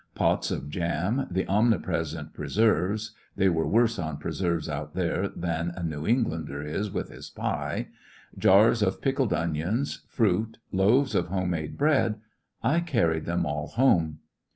Pots of jam, the omnipresent pre serves (they were worse on preserves out there than a New Englander is with his pie), jars of pickled onions, fruit, loaves of home made bread— I carried them all home.